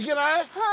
はい。